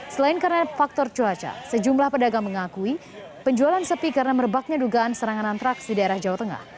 selain karena faktor cuaca sejumlah pedagang mengakui penjualan sepi karena merebaknya dugaan serangan antraks di daerah jawa tengah